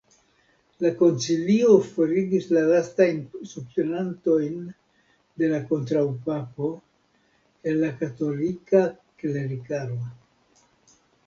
La koncilio forigis la lastajn subtenantojn de la kontraŭpapo el la katolika klerikaro.